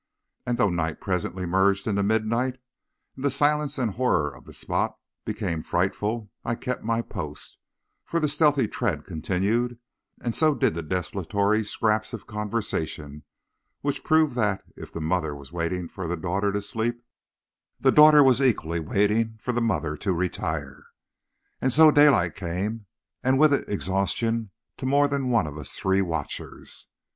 And though night presently merged into midnight, and the silence and horror of the spot became frightful, I kept my post, for the stealthy tread continued, and so did the desultory scraps of conversation, which proved that, if the mother was waiting for the daughter to sleep, the daughter was equally waiting for the mother to retire. And so daylight came, and with it exhaustion to more than one of us three watchers.